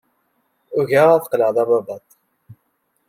Ugaɣ ad qqleɣ d ababat.